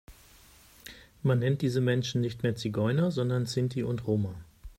Man nennt diese Menschen nicht mehr Zigeuner, sondern Sinti und Roma.